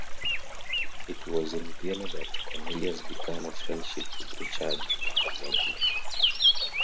It was in Vienna that Cornelius began a friendship with Richard Wagner.